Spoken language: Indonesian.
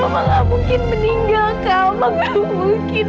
oma gak mungkin meninggalkan oma belum mungkin meninggal